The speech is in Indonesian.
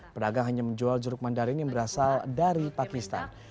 pedagang hanya menjual jeruk mandarin yang berasal dari pakistan